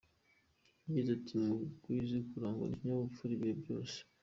Yagize ati “Mukwiye kurangwa n’ikinyabupfura ibihe byose.